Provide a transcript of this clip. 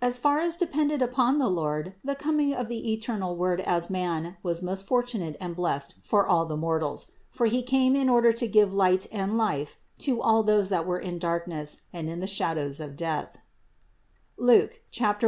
500. As far as depended upon the Lord the coming of the eternal Word as man was most fortunate and blessed for all the mortals ; for He came in order to give light and life to all those that were in darkness and in the shadows of death (Luke 1, 79).